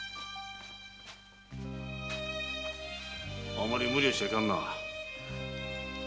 あまり無理をしちゃいかんな。